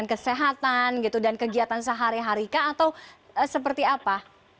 kedua kegiatan sehari harika atau seperti apa